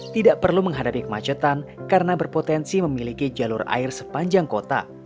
tidak perlu menghadapi kemacetan karena berpotensi memiliki jalur air sepanjang kota